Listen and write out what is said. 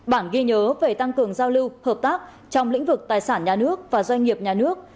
hai mươi ba bản ghi nhớ về tăng cường giao lưu hợp tác trong lĩnh vực tài sản nhà nước và doanh nghiệp nhà nước